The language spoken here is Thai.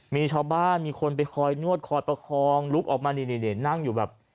มีชาวบ้านมีคนไปคอยนวดคอยประคองลุกออกมานี่นั่งอยู่แบบ